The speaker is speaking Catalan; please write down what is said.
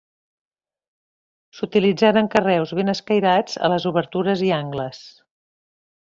S'utilitzaren carreus ben escairats a les obertures i angles.